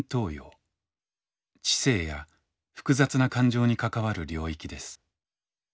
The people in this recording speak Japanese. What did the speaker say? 知性や複雑な感情に関わる領域です。